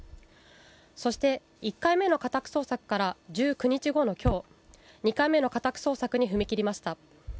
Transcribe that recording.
そして、１回目の家宅捜索から１９日後の今日、２回目の家宅捜索に踏み切りました。